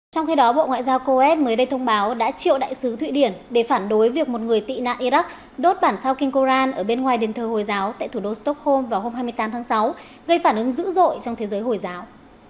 trong khi đó bộ ngoại giao coes mới đây thông báo đã triệu đại sứ thụy điển để phản đối việc một người tị nạn iraq đốt bản sao kinh koran ở bên ngoài đền thờ hồi giáo tại thủ đô stockholm vào hôm hai mươi tám tháng sáu gây phản ứng dữ dội trong thế giới hồi giáo